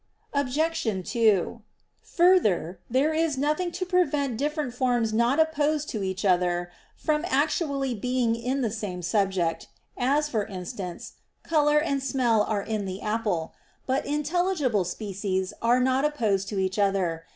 Obj. 2: Further, there is nothing to prevent different forms not opposed to each other from actually being in the same subject, as, for instance, color and smell are in the apple. But intelligible species are not opposed to each other.